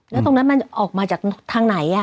แล้วตรงนั้นมันออกมาจากทางไหน